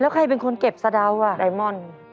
แล้วใครเป็นคนเก็บสะดาวน่ะไดมอนด์